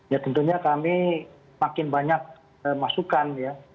ya tentunya kami makin banyak masukan ya